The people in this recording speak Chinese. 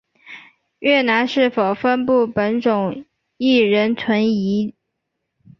越南是否分布本种亦仍存疑。